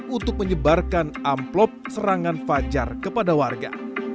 untuk menyebarkan amplop serangan fajar kepada warga